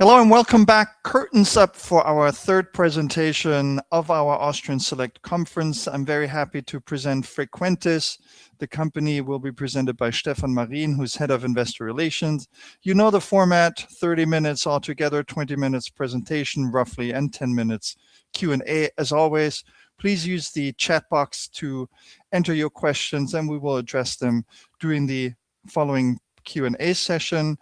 Hello, and welcome back. Curtains up for our third presentation of our Austrian Select Conference. I'm very happy to present Frequentis. The company will be presented by Stefan Marin, who's head of investor relations. You know the format, 30 minutes altogether, 20 minutes presentation, roughly, and 10 minutes Q&A. As always, please use the chat box to enter your questions, and we will address them during the following Q&A session.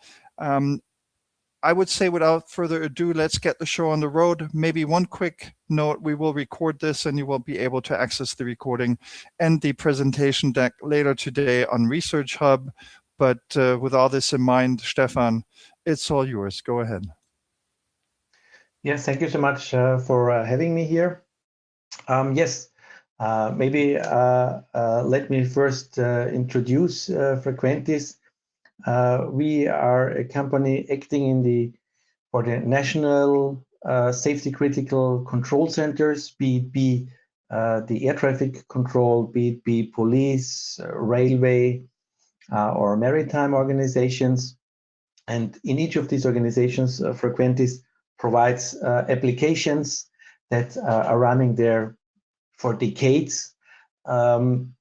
I would say, without further ado, let's get the show on the road. Maybe one quick note, we will record this, and you will be able to access the recording and the presentation deck later today on ResearchHub. With all this in mind, Stefan, it's all yours. Go ahead. Yes. Thank you so much for having me here. Yes. Maybe let me first introduce Frequentis. We are a company acting in the national safety-critical control centers, be it the air traffic control, be it police, railway, or maritime organizations. In each of these organizations, Frequentis provides applications that are running there for decades, and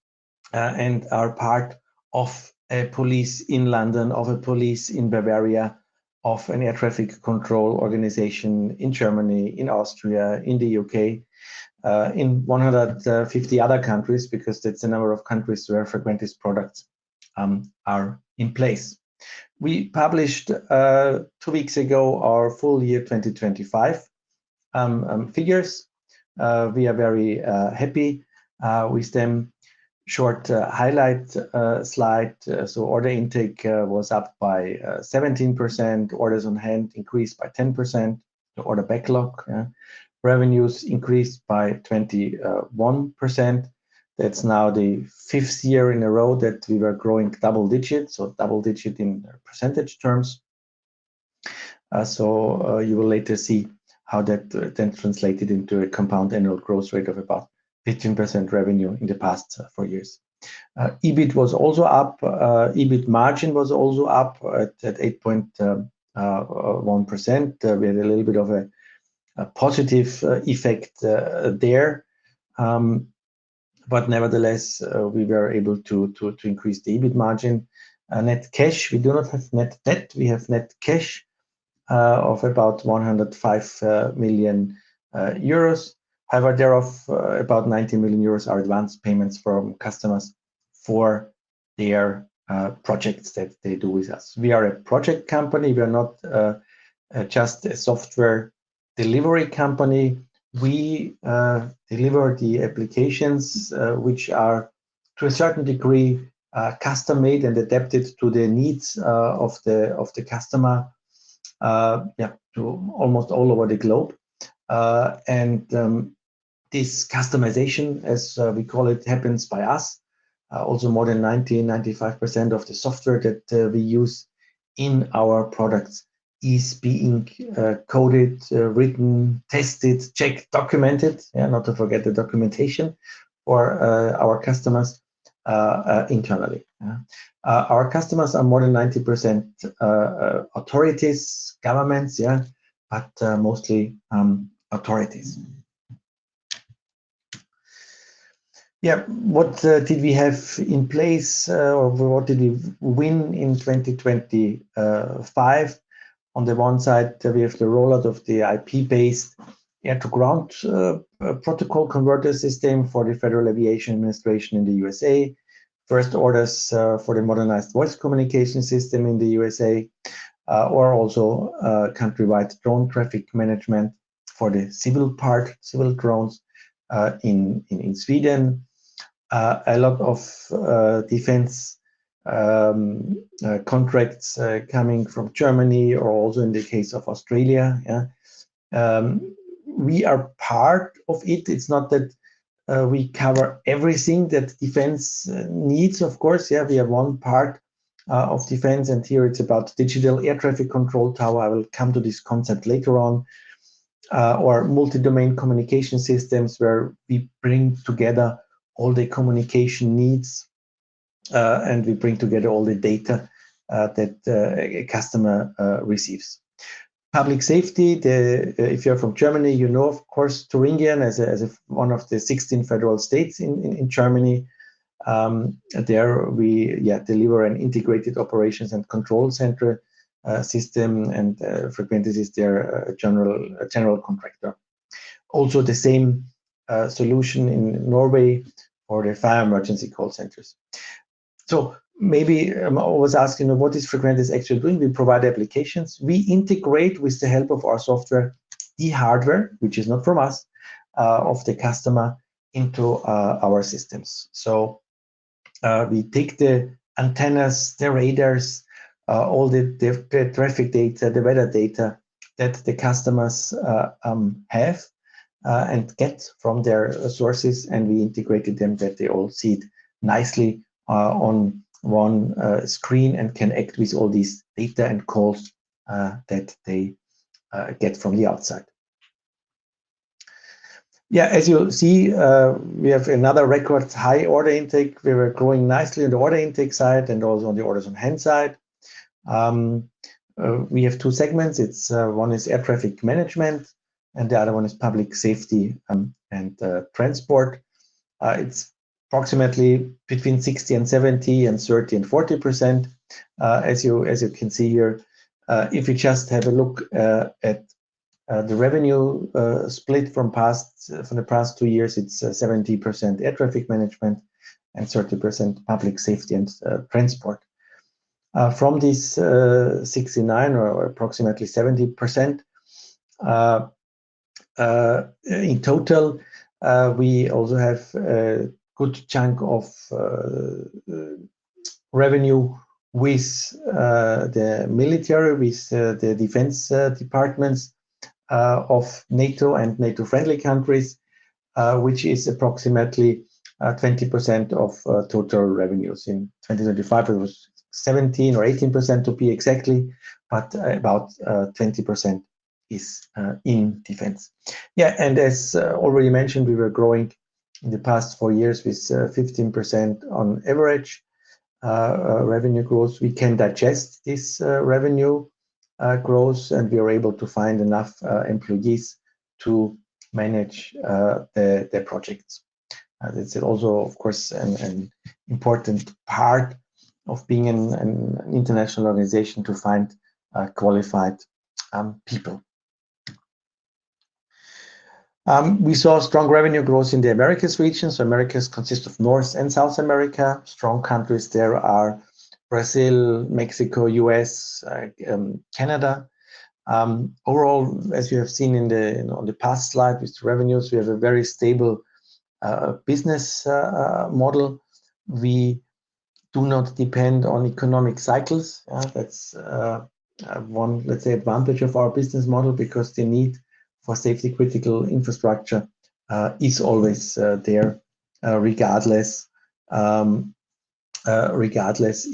are part of a police in London, of a police in Bavaria, of an air traffic control organization in Germany, in Austria, in the U.K., in 150 other countries, because that's the number of countries where Frequentis products are in place. We published, two weeks ago, our full year 2025 figures. We are very happy with them. Short highlight slide. Order intake was up by 17%, orders on hand increased by 10%, the order backlog. Revenues increased by 21%. That's now the fifth year in a row that we were growing double digits or double digit in percentage terms. You will later see how that then translated into a compound annual growth rate of about 15% revenue in the past four years. EBIT was also up. EBIT margin was also up at 8.1%. We had a little bit of a positive effect there. But nevertheless, we were able to increase the EBIT margin. Net cash, we do not have net debt. We have net cash of about 105 million euros. However, thereof, about 90 million euros are advanced payments from customers for their projects that they do with us. We are a project company. We are not just a software delivery company. We deliver the applications, which are, to a certain degree, custom-made and adapted to the needs of the customer to almost all over the globe. This customization, as we call it, happens by us. Also more than 90%-95% of the software that we use in our products is being coded, written, tested, checked, documented, not to forget the documentation, for our customers internally. Our customers are more than 90% authorities, governments. Mostly authorities. What did we have in place? What did we win in 2025? On the one side, we have the rollout of the IP-based air-to-ground protocol converter system for the Federal Aviation Administration in the USA. First orders for the modernized voice communication system in the USA, or also countrywide drone traffic management for the civil part, civil drones in Sweden. A lot of defense contracts coming from Germany or also in the case of Australia. We are part of it. It's not that we cover everything that defense needs, of course. We are one part of defense, and here it's about digital air traffic control tower. I will come to this concept later on. Multi-domain communication systems where we bring together all the communication needs, and we bring together all the data that a customer receives. Public Safety, if you're from Germany, you know, of course, Thuringia as one of the 16 federal states in Germany. There we deliver an integrated operations and control center system, and Frequentis is their general contractor. Also, the same solution in Norway for their fire emergency call centers. Maybe I'm always asking, what is Frequentis actually doing? We provide applications. We integrate with the help of our software, the hardware, which is not from us, of the customer into our systems. We take the antennas, the radars, all the traffic data, the weather data that the customers have and get from their sources, and we integrated them that they all see it nicely on one screen and can act with all these data and calls that they get from the outside. Yeah, as you'll see, we have another record high order intake. We were growing nicely on the order intake side and also on the orders on hand side. We have two segments, one is Air Traffic Management and the other one is Public Safety & Transport. It's approximately between 60%-70% and 30%-40%, as you can see here. If you just have a look at the revenue split for the past two years, it's 70% Air Traffic Management and 30% Public Safety & Transport. From this 69% or approximately 70%, in total, we also have a good chunk of revenue with the military, with the defense departments of NATO and NATO-friendly countries, which is approximately 20% of total revenues. In 2025, it was 17%-18%, to be exactly, but about 20% is in defense. Yeah, as already mentioned, we were growing in the past four years with 15% on average revenue growth. We can digest this revenue growth, and we are able to find enough employees to manage their projects. That's also, of course, an important part of being an international organization to find qualified people. We saw strong revenue growth in the Americas region. Americas consists of North and South America. Strong countries there are Brazil, Mexico, U.S., Canada. Overall, as you have seen on the past slide with revenues, we have a very stable business model. We do not depend on economic cycles. That's one, let's say, advantage of our business model because the need for safety-critical infrastructure is always there, regardless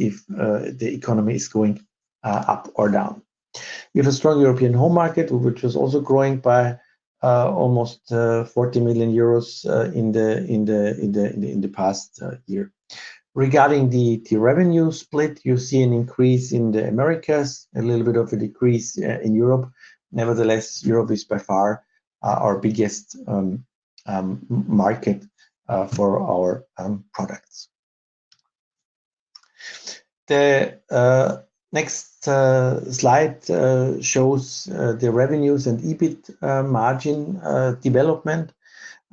if the economy is going up or down. We have a strong European home market, which was also growing by almost 40 million euros in the past year. Regarding the revenue split, you see an increase in the Americas, a little bit of a decrease in Europe. Nevertheless, Europe is by far our biggest market for our products. The next slide shows the revenues and EBIT margin development.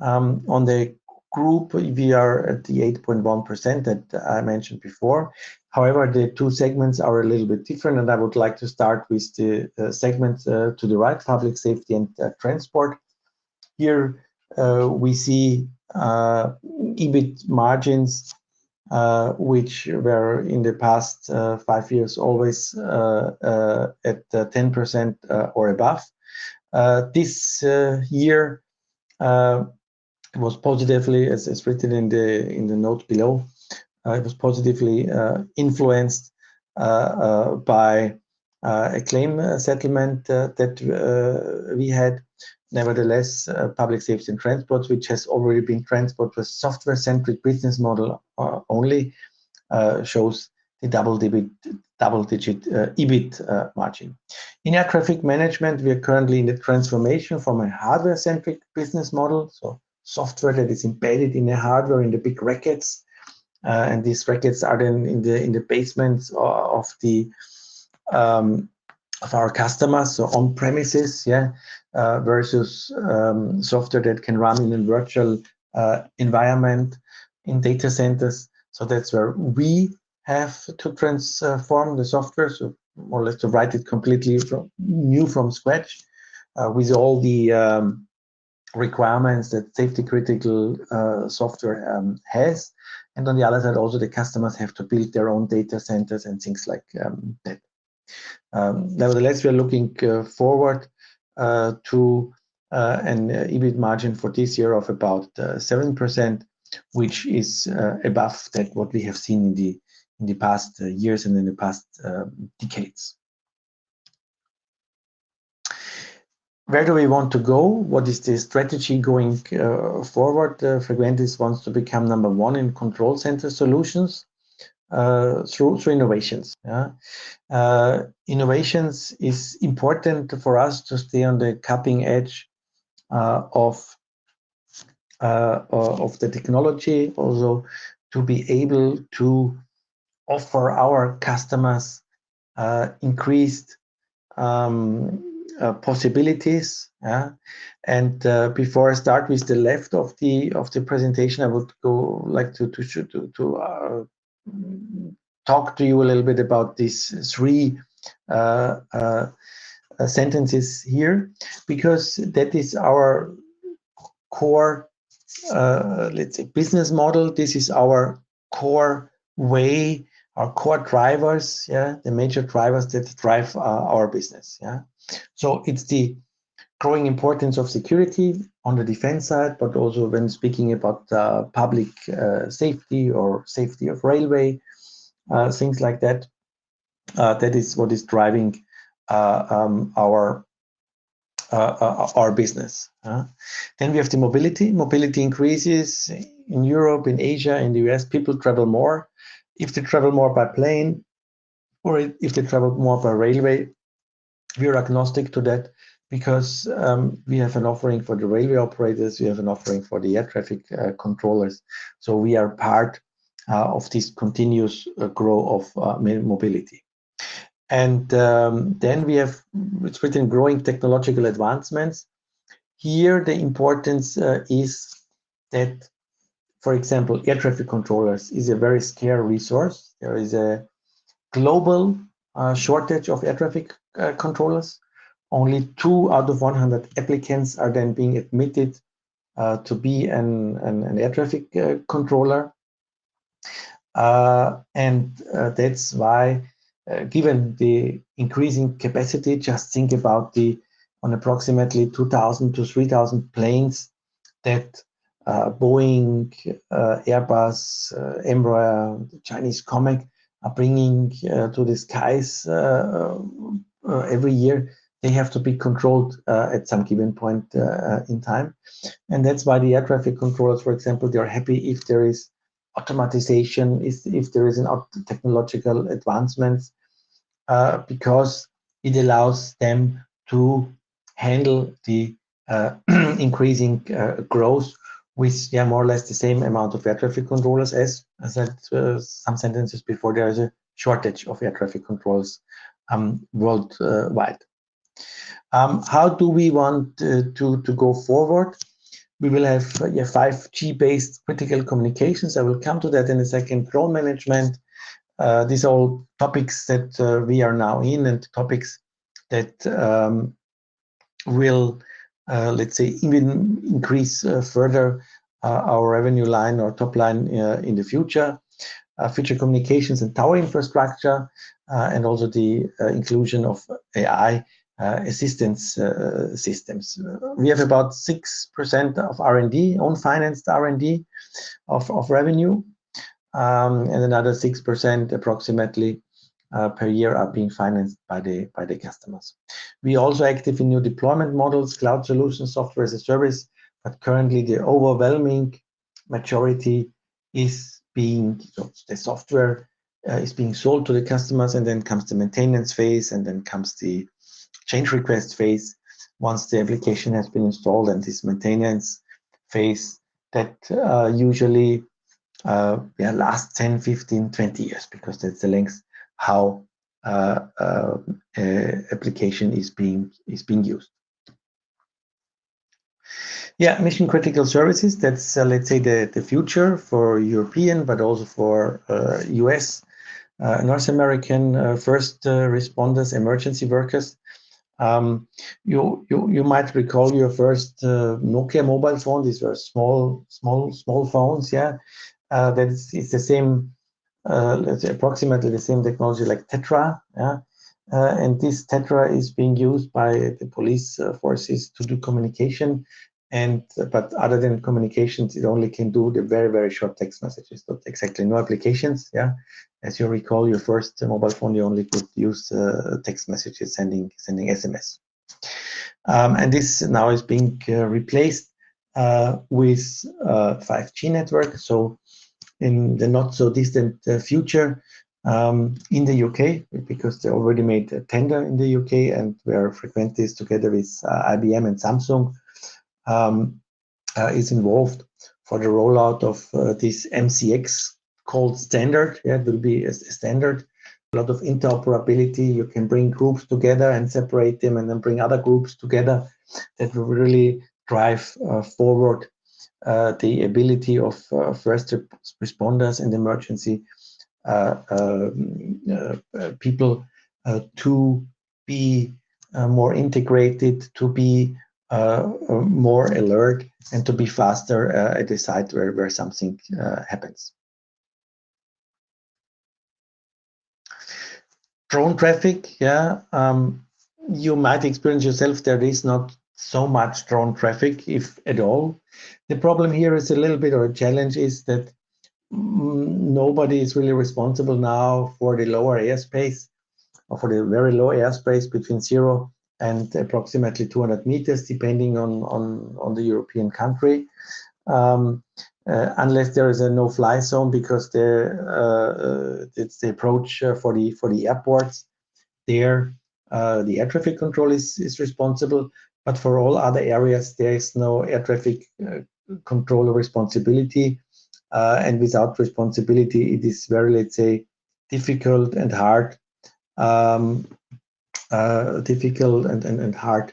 On the group, we are at the 8.1% that I mentioned before. However, the two segments are a little bit different, and I would like to start with the segment to the right, Public Safety & Transport. Here we see EBIT margins, which were in the past five years always at 10% or above. This year, it was positively influenced by a claim settlement that we had, as written in the note below. Nevertheless, Public Safety & Transport, which has already been transformed with software-centric business model, only shows the double-digit EBIT margin. In Air Traffic Management, we are currently in the transformation from a hardware-centric business model, so software that is embedded in a hardware, in the big racks. These racks are in the basements of our customers, so on premises, yeah versus software that can run in a virtual environment in data centers. That's where we have to transform the software, so more or less to write it completely new from scratch with all the requirements that safety-critical software has. On the other side, also, the customers have to build their own data centers and things like that. Nevertheless, we are looking forward to an EBIT margin for this year of about 7%, which is above what we have seen in the past years and in the past decades. Where do we want to go? What is the strategy going forward? Frequentis wants to become number one in control center solutions through innovations, yeah. Innovations is important for us to stay on the cutting edge of the technology, also to be able to offer our customers increased possibilities, yeah. Before I start with the rest of the presentation, I would like to talk to you a little bit about these three segments here, because that is our core, let's say, business model. This is our core way, our core drivers, yeah, the major drivers that drive our business, yeah. It's the growing importance of security on the defense side, but also when speaking about public safety or safety of railway, things like that. That is what is driving our business. We have the mobility. Mobility increases in Europe, in Asia, in the U.S. People travel more. If they travel more by plane or if they travel more by railway, we are agnostic to that because we have an offering for the railway operators, we have an offering for the air traffic controllers. We are part of this continuous growth of mobility. We have within growing technological advancements. Here, the importance is that, for example, air traffic controllers is a very scarce resource. There is a global shortage of air traffic controllers. Only two out of 100 applicants are then being admitted to be an air traffic controller. That's why, given the increasing capacity, just think about the approximately 2,000-3,000 planes that Boeing, Airbus, Embraer, Chinese COMAC, are bringing to the skies every year. They have to be controlled at some given point in time. That's why the air traffic controllers, for example, they are happy if there is automation, if there is technological advancements, because it allows them to handle the increasing growth with more or less the same amount of air traffic controllers as I said some sentences before, there is a shortage of air traffic controllers worldwide. How do we want to go forward? We will have your 5G-based critical communications. I will come to that in a second. Drone management. These are all topics that we are now in, and topics that will, let's say, even increase further our revenue line or top line in the future. Future communications and tower infrastructure, and also the inclusion of AI assistance systems. We have about 6% of R&D, owned financed R&D, of revenue, and another 6%, approximately, per year are being financed by the customers. We are also active in new deployment models, cloud solutions, software as a service, but currently the overwhelming majority, the software is being sold to the customers, and then comes the maintenance phase, and then comes the change request phase. Once the application has been installed and this maintenance phase that usually lasts 10, 15, 20 years because that's the length how application is being used. Mission-critical services, that's, let's say, the future for European, but also for U.S., North American first responders, emergency workers. You might recall your first Nokia mobile phone. These were small phones. That it's approximately the same technology like TETRA. This TETRA is being used by the police forces to do communication. Other than communications, it only can do the very short text messages, but exactly no applications. As you recall, your first mobile phone, you only could use text messages, sending SMS. This now is being replaced with 5G network. In the not so distant future, in the U.K., because they already made a tender in the U.K., and where Frequentis, together with IBM and Samsung, is involved for the rollout of this MCX called standard. It will be a standard. A lot of interoperability. You can bring groups together and separate them and then bring other groups together. That will really drive forward the ability of first responders and emergency people to be more integrated, to be more alert, and to be faster at the site where something happens. Drone traffic. You might experience for yourself that there is not so much drone traffic, if at all. The problem here is a little bit, or a challenge, is that nobody is really responsible now for the lower airspace or for the very low airspace between 0 and approximately 200 meters, depending on the European country. Unless there is a no-fly zone because it's the approach for the airports, there the air traffic control is responsible, but for all other areas, there is no air traffic controller responsibility. Without responsibility, it is very difficult and hard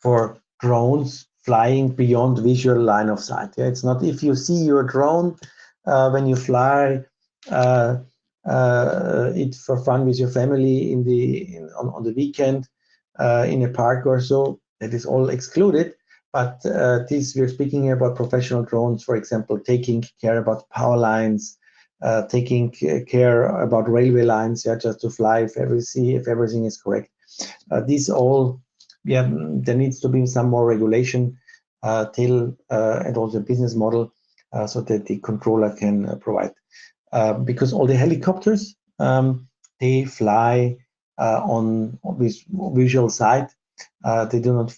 for drones flying beyond visual line of sight. If you see your drone when you fly it for fun with your family on the weekend in a park or so, it is all excluded. This, we are speaking about professional drones, for example, taking care about power lines, taking care about railway lines, just to fly, see if everything is correct. These all. There needs to be some more regulation, still, and also business model, so that the controller can provide. Because all the helicopters, they fly on visual sight. They do not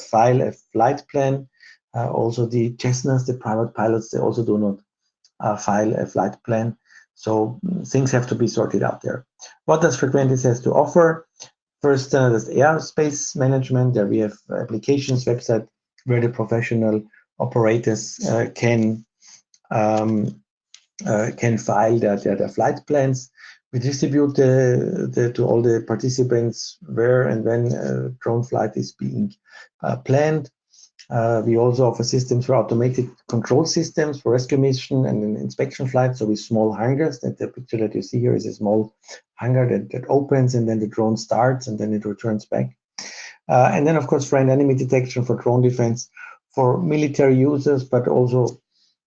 file a flight plan. Also, the Cessnas, the private pilots, they also do not file a flight plan. So things have to be sorted out there. What does Frequentis has to offer? First, there's airspace management. We have applications website where the professional operators can file their flight plans. We distribute to all the participants where and when a drone flight is being planned. We also offer systems for automated control systems, for estimation and then inspection flights, so with small hangars. That picture that you see here is a small hangar that opens and then the drone starts, and then it returns back. Then of course, friend-enemy detection for drone defense for military users, but also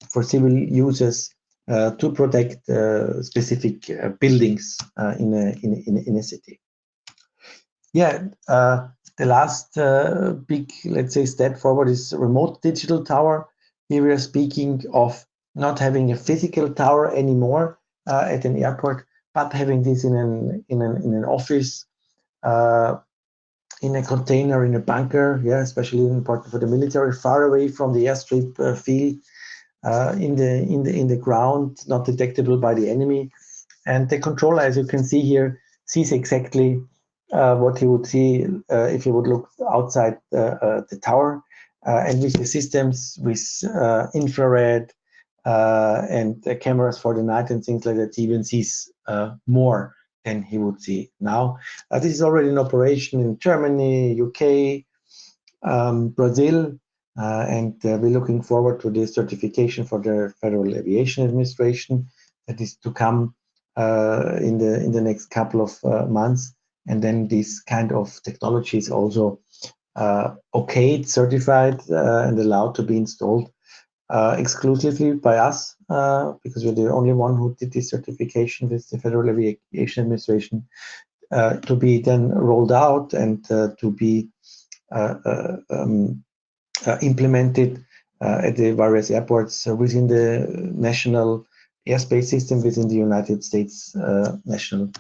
for civil users, to protect specific buildings in a city. Yeah. The last big, let's say, step forward is Remote Digital Tower. Here we are speaking of not having a physical tower anymore at an airport, but having this in an office, in a container, in a bunker. Yeah. Especially important for the military, far away from the airstrip field, in the ground, not detectable by the enemy. The controller, as you can see here, sees exactly what he would see if he would look outside the tower. With the systems with infrared, and the cameras for the night and things like that, he even sees more than he would see now. This is already in operation in Germany, U.K., Brazil, and we're looking forward to the certification for the Federal Aviation Administration. That is to come, in the next couple of months. This kind of technology is also okayed, certified, and allowed to be installed, exclusively by us, because we're the only one who did this certification with the Federal Aviation Administration, to be then rolled out and to be implemented at the various airports within the National Airspace System within the United States National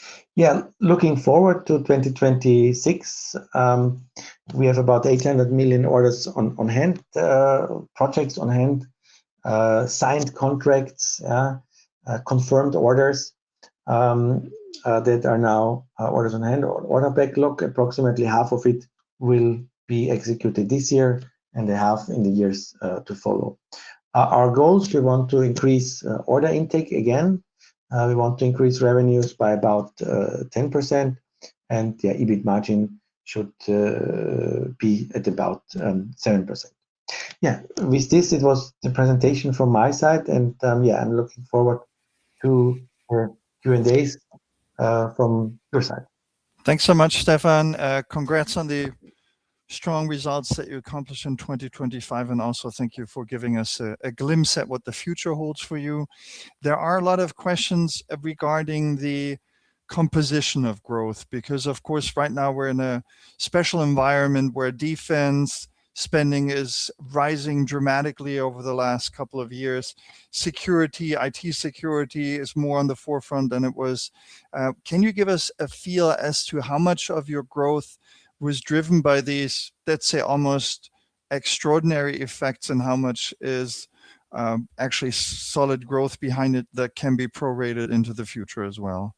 Airspace. Yeah, looking forward to 2026, we have about 800 million orders on hand, projects on hand, signed contracts, confirmed orders, that are now orders on hand or order backlog. Approximately half of it will be executed this year and the half in the years to follow. Our goals, we want to increase order intake again. We want to increase revenues by about 10%, and the EBIT margin should be at about 7%. Yeah. With this, it was the presentation from my side. Yeah, I'm looking forward to your Q&As from your side. Thanks so much, Stefan. Congrats on the strong results that you accomplished in 2025, and also thank you for giving us a glimpse at what the future holds for you. There are a lot of questions regarding the composition of growth, because of course right now we're in a special environment where defense spending is rising dramatically over the last couple of years. Security, IT security is more on the forefront than it was. Can you give us a feel as to how much of your growth was driven by these, let's say, almost extraordinary effects, and how much is actually solid growth behind it that can be prorated into the future as well?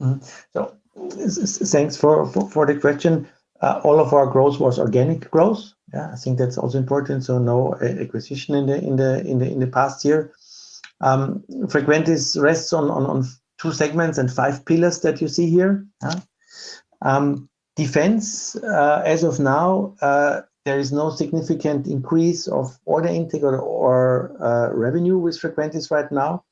Thanks for the question. All of our growth was organic growth. Yeah, I think that's also important, so no acquisition in the past year. Frequentis rests on two segments and five pillars that you see here. Defense, as of now, there is no significant increase of order intake or revenue with Frequentis right now.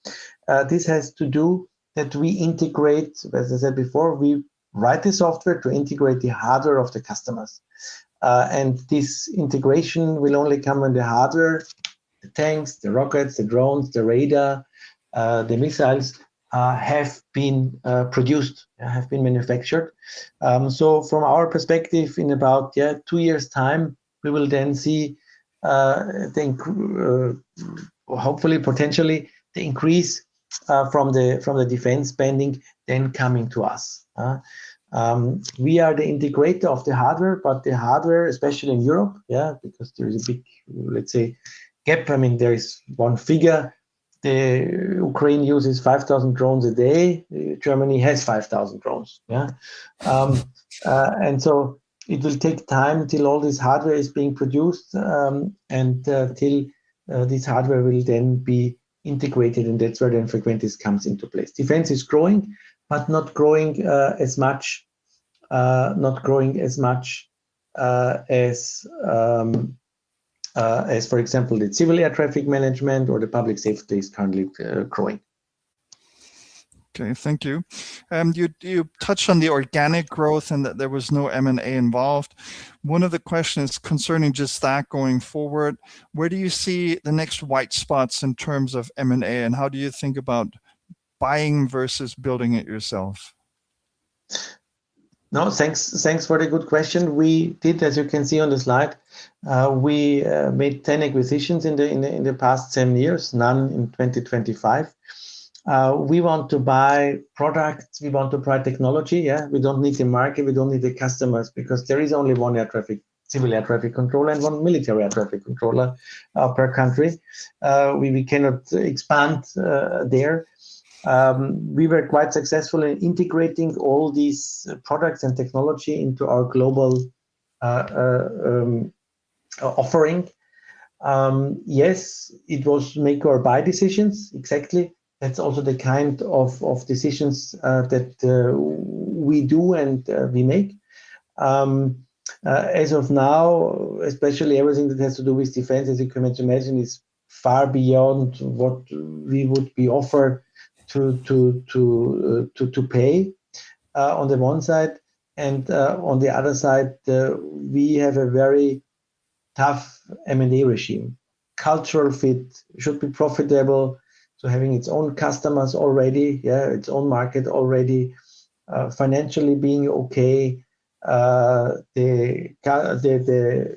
This has to do that we integrate, as I said before, we write the software to integrate the hardware of the customers. This integration will only come when the hardware, the tanks, the rockets, the drones, the radar, the missiles, have been produced, have been manufactured. From our perspective, in about two years' time, we will then see, hopefully, potentially, the increase from the defense spending then coming to us. We are the integrator of the hardware, but the hardware, especially in Europe, because there is a big, let's say, gap. There is one figure, Ukraine uses 5,000 drones a day. Germany has 5,000 drones. Yeah? It will take time till all this hardware is being produced, and till this hardware will then be integrated, and that's where then Frequentis comes into place. Defense is growing, but not growing as much, as for example, the civil air traffic management or the public safety is currently growing. Okay. Thank you. You touched on the organic growth and that there was no M&A involved. One of the questions concerning just that going forward, where do you see the next white spots in terms of M&A, and how do you think about buying versus building it yourself? No, thanks for the good question. We did, as you can see on the slide, we made 10 acquisitions in the past 10 years, none in 2025. We want to buy products. We want to buy technology. Yeah. We don't need the market, we don't need the customers because there is only one civil air traffic controller and one military air traffic controller per country. We cannot expand there. We were quite successful in integrating all these products and technology into our global offering. Yes, it was make or buy decisions. Exactly. That's also the kind of decisions that we do and we make. As of now, especially everything that has to do with defense, as you can imagine, is far beyond what we would be offered to pay, on the one side, and on the other side, we have a very tough M&A regime. Cultural fit should be profitable, so having its own customers already, yeah, its own market already, financially being okay. The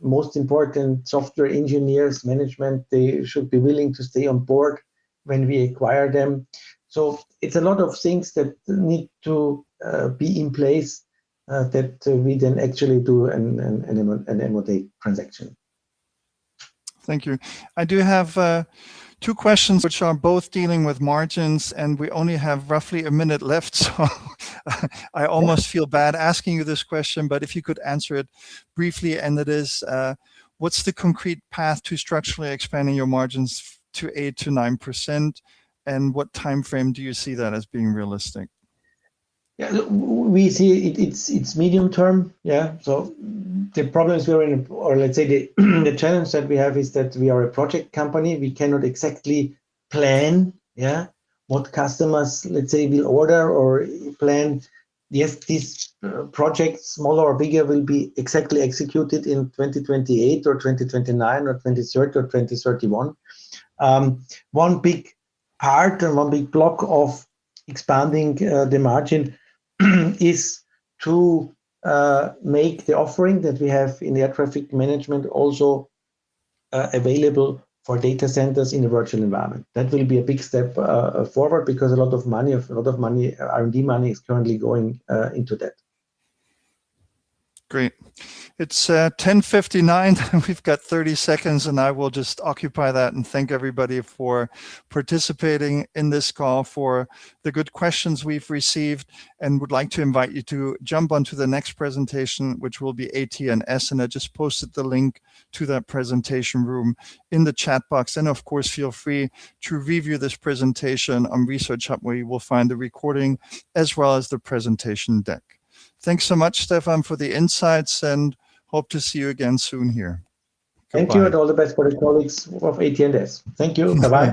most important software engineers, management, they should be willing to stay on board when we acquire them. It's a lot of things that need to be in place that we then actually do and then with the transaction. Thank you. I do have two questions which are both dealing with margins, and we only have roughly a minute left, so I almost feel bad asking you this question, but if you could answer it briefly, and it is, what's the concrete path to structurally expanding your margins to 8%-9%, and what timeframe do you see that as being realistic? Yeah. We see it's medium term. Yeah. The problems we are in, or let's say the challenge that we have is that we are a project company. We cannot exactly plan, yeah, what customers, let's say, will order or plan. Yes, these projects, smaller or bigger, will be exactly executed in 2028 or 2029 or 2030 or 2031. One big part or one big block of expanding the margin is to make the offering that we have in Air Traffic Management also available for data centers in a virtual environment. That will be a big step forward because a lot of R&D money is currently going into that. Great. It's 10:59 A.M. We've got 30 seconds, and I will just occupy that and thank everybody for participating in this call, for the good questions we've received and would like to invite you to jump onto the next presentation, which will be AT&S. I just posted the link to that presentation room in the chat box. Of course, feel free to review this presentation on ResearchHub, where you will find the recording as well as the presentation deck. Thanks so much, Stefan, for the insights, and I hope to see you again soon here. Goodbye. Thank you, and all the best for the colleagues of AT&S. Thank you. Bye-bye.